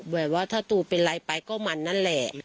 ว่าถ้าตูเป็นไรไปก็มันนั่นแหละ